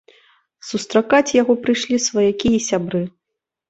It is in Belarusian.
Сустракаць яго прыйшлі сваякі і сябры.